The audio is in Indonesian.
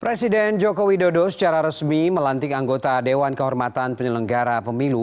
presiden joko widodo secara resmi melantik anggota dewan kehormatan penyelenggara pemilu